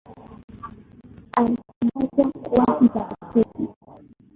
Alitangazwa kuwa mtakatifu.